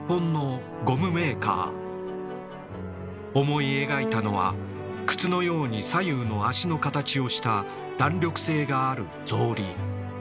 思い描いたのは靴のように左右の足の形をした弾力性がある草履。